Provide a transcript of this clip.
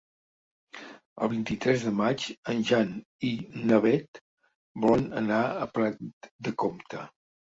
El vint-i-tres de maig en Jan i na Beth volen anar a Prat de Comte.